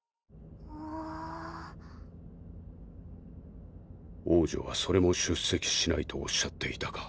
はぁ王女はそれも出席しないとおっしゃっていたか？